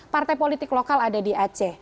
partai politik lokal ada di aceh